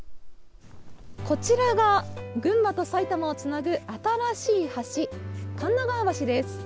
こちらが群馬と埼玉をつなぐ新しい橋神流川橋です。